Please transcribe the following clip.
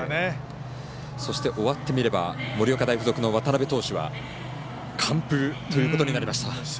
そして終わってみれば盛岡大付属の渡邊投手は完封ということになりました。